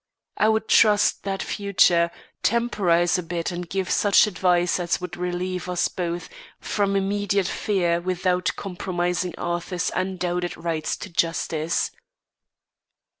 I would trust that future, temporise a bit and give such advice as would relieve us both from immediate fear without compromising Arthur's undoubted rights to justice.